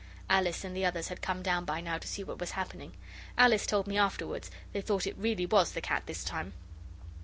Alice and the others had come down by now to see what was happening. Alice told me afterwards they thought it really was the cat this time.